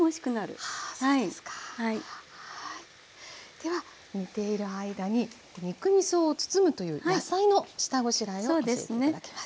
では煮ている間に肉みそを包むという野菜の下ごしらえを教えて頂きます。